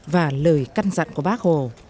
và lời căn dặn của bác hồ